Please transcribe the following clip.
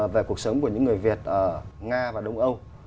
về cuộc sống của những người việt ở nga và đông âu